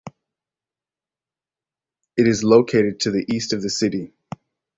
It is located to the east of the city.